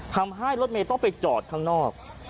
ทำให้รถเมย์ต้องไปจอดข้างนอก